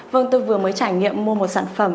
vâng tôi vừa mới trải nghiệm mua một sản phẩm